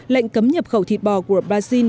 lệnh cấm nhập khẩu thịt bò của brazil